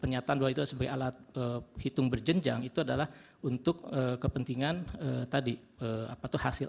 pernyataan bahwa itu sebagai alat hitung berjenjang itu adalah untuk kepentingan tadi apa tuh hasil